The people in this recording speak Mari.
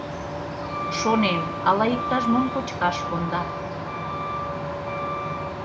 Шонем, ала иктаж-мом кочкаш конда.